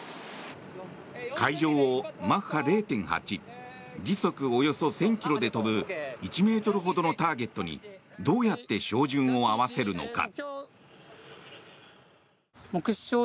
海上をマッハ０．８時速およそ１０００ｋｍで飛ぶ１ｍほどのターゲットにどうやって照準を合わせるのか。